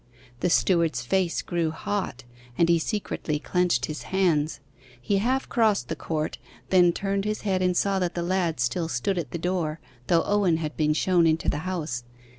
The steward's face grew hot, and he secretly clenched his hands. He half crossed the court, then turned his head and saw that the lad still stood at the door, though Owen had been shown into the house.